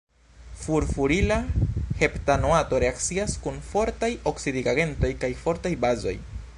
Furfurila heptanoato reakcias kun fortaj oksidigagentoj kaj fortaj bazoj.